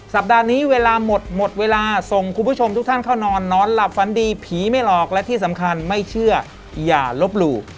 สัปดาห์นี้เวลาหมดหมดเวลาส่งคุณผู้ชมทุกท่านเข้านอนนอนหลับฝันดีผีไม่หลอกและที่สำคัญไม่เชื่ออย่าลบหลู่